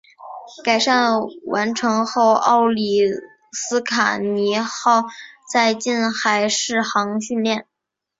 改建完成后奥里斯卡尼号在近海试航训练。